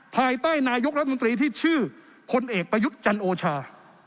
ภายใต้นายกรัฐมนตรีที่ชื่อพลเอกประยุทธ์จันโอชา